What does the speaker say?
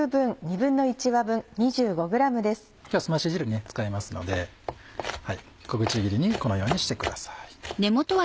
今日はすまし汁に使いますので小口切りにこのようにしてください。